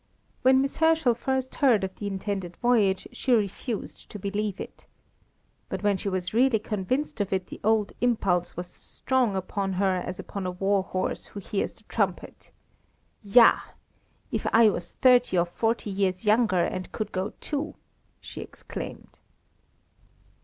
When Miss Herschel first heard of the intended voyage she refused to believe it. But when she was really convinced of it, the old impulse was as strong upon her as upon a war horse who hears the trumpet. "Ja! if I was thirty or forty years younger and could go too!" she exclaimed.